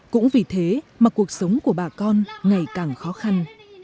cũng vì thế mà cuộc sống của bà con ngày càng khó khăn